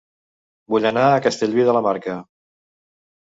Vull anar a Castellví de la Marca